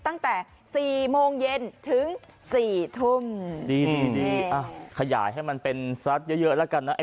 ตั้งแต่๔โมงเย็นถึง๔ทุ่มดีขยายให้มันเป็นสัตว์เยอะแล้วกันนะ